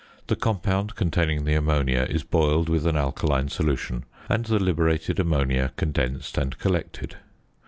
The compound containing the ammonia is boiled with an alkaline solution; and the liberated ammonia condensed and collected.